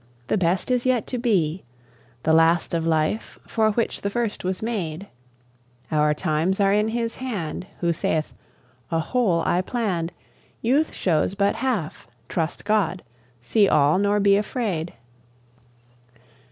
The best is yet to be, The last of life, for which the first was made: Our times are in His hand Who saith, "A whole I plann'd, Youth shows but half; trust God: see all nor be afraid!"